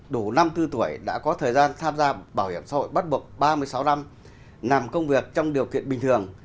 đủ năm mươi bốn tuổi đã có thời gian tham gia bảo hiểm xã hội bắt buộc ba mươi sáu năm làm công việc trong điều kiện bình thường